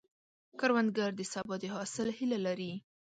کروندګر د سبا د حاصل هیله لري